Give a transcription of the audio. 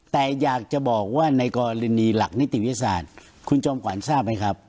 แต่อยากจะบอกว่าในกรณีหลักนิติวิทยาศาสตร์คุณจอมขวัญทราบไหมครับ